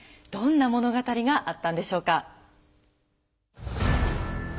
どんな物語があったんでしょうか。